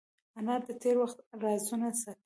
انا د تېر وخت رازونه ساتي